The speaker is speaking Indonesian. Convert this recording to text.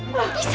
gak bisa sih